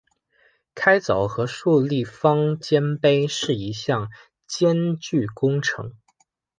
开凿和竖立方尖碑是一项艰巨工程。